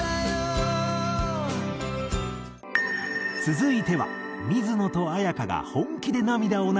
続いては水野と絢香が本気で涙を流した曲。